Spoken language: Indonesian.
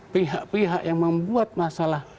pihak pihak yang membuat masalah